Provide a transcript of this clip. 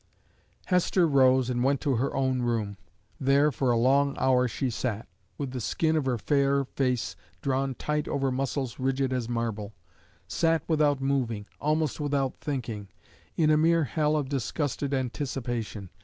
Hesper rose and went to her own room. There, for a long hour, she sat with the skin of her fair face drawn tight over muscles rigid as marble sat without moving, almost without thinking in a mere hell of disgusted anticipation.